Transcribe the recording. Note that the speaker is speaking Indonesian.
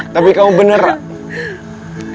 tapi kamu bener raa